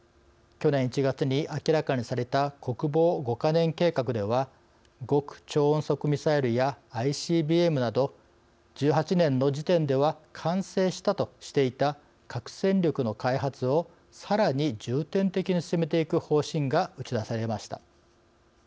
去年１月に明らかにされた国防５か年計画では極超音速ミサイルやＩＣＢＭなど１８年の時点では完成したとしていた核戦力の開発をさらに重点的に進めていく方針が打ち出されました。